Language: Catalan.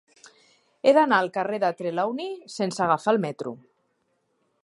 He d'anar al carrer de Trelawny sense agafar el metro.